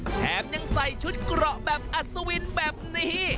แถมยังใส่ชุดเกราะแบบอัศวินแบบนี้